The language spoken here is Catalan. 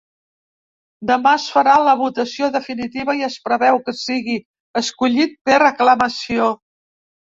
Demà es farà la votació definitiva i es preveu que sigui escollit per aclamació.